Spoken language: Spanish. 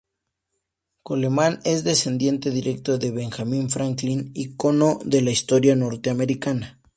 Coleman es descendiente directo de Benjamin Franklin, icono de la historia norteamericana.